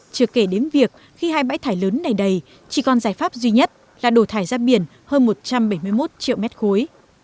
chưa kể đến việc khi hai bãi thải lớn này đầy chỉ còn giải pháp duy nhất là đổ thải ra biển hơn một trăm bảy mươi một triệu mét khối